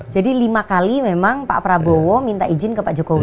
yang pertama sekarang pak prabowo minta izin ke pak jokowi